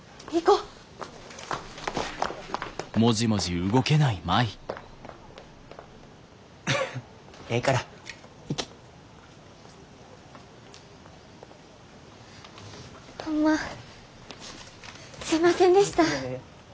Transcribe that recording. ホンマすいませんでした。